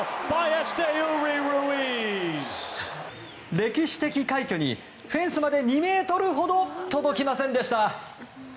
歴史的快挙にフェンスまで２ｍほど届きませんでした。